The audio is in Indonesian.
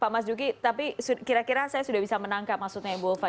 pak mas duki tapi kira kira saya sudah bisa menangkap maksudnya ibu ulfa